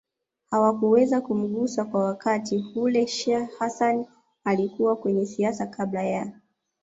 hawakuweza kumgusa kwa wakati hule Sheikh Hassan alikuwa kwenye siasa kabla ya